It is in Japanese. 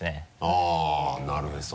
あっなるへそ。